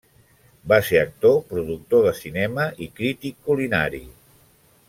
Va ser actor, productor de cinema i crític culinari.